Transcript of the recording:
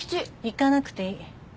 行かなくていい。